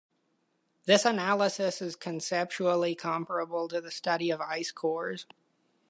This analysis is conceptually comparable to the study of ice cores.